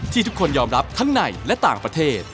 ทุกคนยอมรับทั้งในและต่างประเทศ